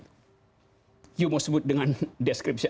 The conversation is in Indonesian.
anda mau sebut dengan deskripsi apa